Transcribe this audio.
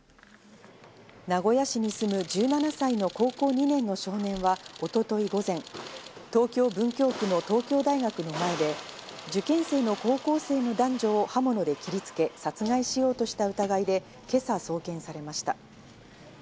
名古屋市に住む１７歳の高校２年の少年は一昨日午前、東京・文京区の東京大学の前で受験生の高校生の男女を刃物で切りつけ、殺害しようとした疑いで今朝、送検されました。